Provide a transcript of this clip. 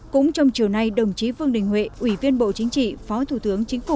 cũng trong chiều nay đồng chí vương đình huệ ủy viên bộ chính trị phó thủ tướng